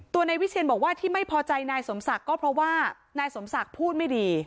นายวิเชียนบอกว่าที่ไม่พอใจนายสมศักดิ์ก็เพราะว่านายสมศักดิ์พูดไม่ดี